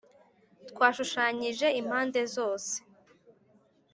twashushanyije impande zose, -